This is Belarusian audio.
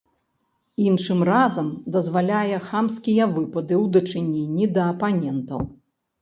Іншым разам дазваляе хамскія выпады ў дачыненні да апанентаў.